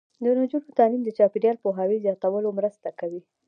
د نجونو تعلیم د چاپیریال پوهاوي زیاتولو مرسته کوي.